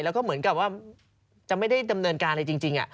แล้วก็เหมือนกับว่าจะไม่ได้ดำเนินการอะไรจริง